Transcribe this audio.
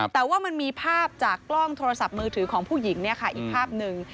แต่ว่ามันมีภาพจากกล้องโทรศัพท์มือถือของผู้หญิงอีกภาพหนึ่ง